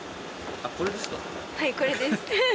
はいこれです。